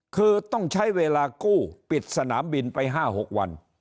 คือต้องใช้เวลากู้ปิดสนามบินไป๕๖วัน